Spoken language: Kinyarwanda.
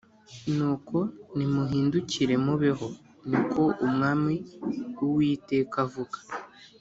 nuko nimuhindukire mubeho Ni ko Umwami Uwiteka avuga